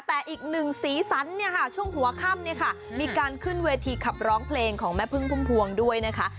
แต่อีกหนึ่งสีสันช่วงหัวค่ำมีการขึ้นเวทีขับร้องเพลงของแม่เพิ่งพลวงด้วยนะคะ